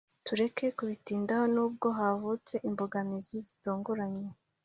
tureke kubitindaho! nubwo havutse imbogamizi zitunguranye,